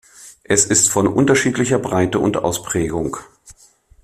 Es ist von unterschiedlicher Breite und Ausprägung.